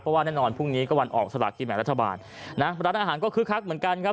เพราะว่าแน่นอนพรุ่งนี้ก็วันออกสลากกินแบ่งรัฐบาลนะร้านอาหารก็คึกคักเหมือนกันครับ